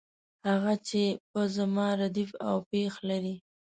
هغه چې په زما ردیف او پیښ لري.